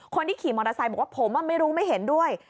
คนที่ขี่มอเตอร์ไซค์บอกว่าผมไม่รู้ไม่เห็นด้วย